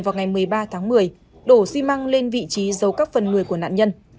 vào ngày một mươi ba tháng một mươi đổ xi măng lên vị trí giấu các phần người của nạn nhân